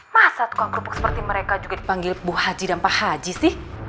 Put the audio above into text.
masa tukang kerupuk seperti mereka juga dipanggil bu haji dan pak haji sih